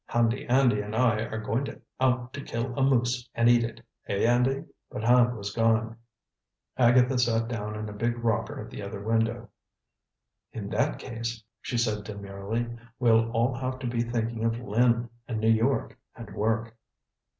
Handy Andy and I are going out to kill a moose and eat it eh, Andy?" But Hand was gone. Agatha sat down in a big rocker at the other window. "In that case," she said demurely, "we'll all have to be thinking of Lynn and New York and work."